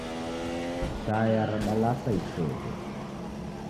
Shaya radalasa iseghe.